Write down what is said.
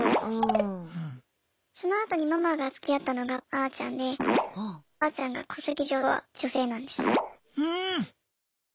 そのあとにママがつきあったのがあーちゃんであーちゃんが戸籍上は女性なんです。